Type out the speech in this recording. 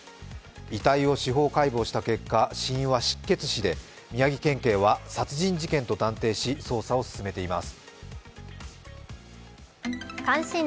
遺体を司法解剖した結果、死因は失血死で宮城県警は殺人事件と断定し捜査を進めています。